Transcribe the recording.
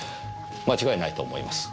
間違いないと思います。